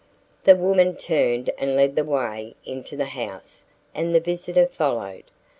The woman turned and led the way into the house and the visitor followed.